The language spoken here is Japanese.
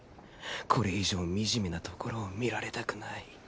これ以上みじめなところを見られたくない。